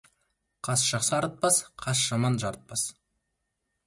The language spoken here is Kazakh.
Қас жақсы арытпас, қас жаман жарытпас.